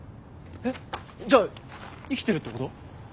えっじゃあ生きてるってこと？